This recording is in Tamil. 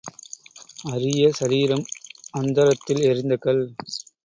அரிய சரீரம் அந்தரத்தில் எறிந்த கல்.